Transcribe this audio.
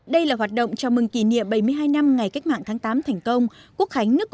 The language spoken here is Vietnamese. đây là hoạt động chào mừng kỷ niệm bảy mươi hai năm ngày cách mạng tháng tám thành công